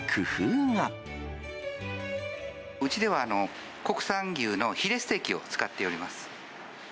うちでは、国産牛のヒレステーキを使っております。